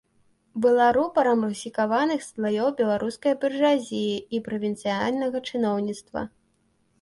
Была рупарам русіфікаваных слаёў беларускай буржуазіі і правінцыяльнага чыноўніцтва.